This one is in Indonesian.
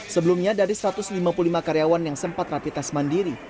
sebelumnya dari satu ratus lima puluh lima karyawan yang sempat rapi tes mandiri